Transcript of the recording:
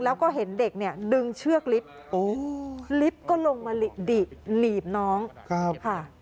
แล้วก็เห็นเด็กเนี่ยดึงเชือกลิฟต์ลิฟต์ก็ลงมาดิหลีบน้องค่ะ